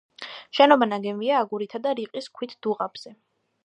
შენობა ნაგებია აგურითა და რიყის ქვით დუღაბზე.